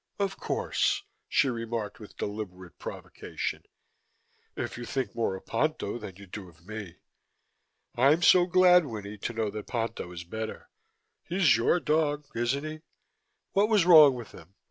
"Of course," she remarked with deliberate provocation, "If you think more of Ponto than you do of me. I'm so glad, Winnie, to know that Ponto is better. He's your dog, isn't he? What was wrong with him?